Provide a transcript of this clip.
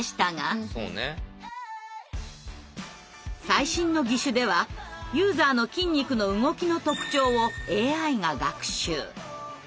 最新の義手ではユーザーの筋肉の動きの特徴をＡＩが学習。